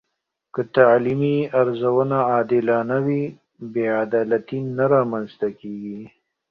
که تعلیمي ارزونه عادلانه وي، بې عدالتي نه رامنځته کېږي.